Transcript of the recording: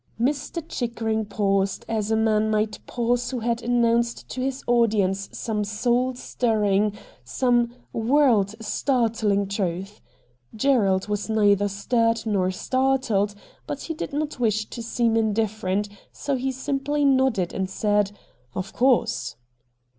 Mr. Chickering paused, as a man might 62 RED DIAMONDS pause wlio had announced to his audience some soul stirring, some world startling truth. Gerald was neither stirred nor startled, but he did not wish to seem indifferent, so he simply nodded and said ' Of course.'